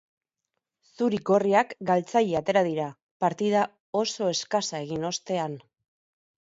Zuri-gorriak galtzaile atera dira, partida oso eskasa egin ostean.